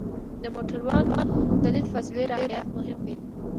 د موټروان د لید فاصلې رعایت مهم دی.